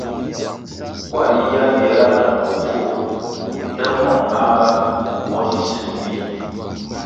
Kwar yiyihya biala na dong vur nte mong manʼnga mo zi sil ywih.